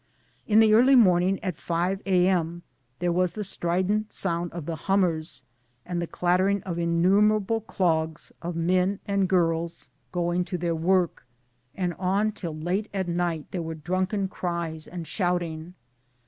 In the early morning at 5 a.m. there was the strident sound of the ' hummers * and the clattering of in numerable clogs of men and girls going to their I 3 6 MY DAYS AND DREAMS work, and on till late at night there were drunken cries and shouting.